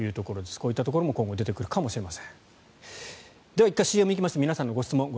こういったところも今後出てくるかもしれません。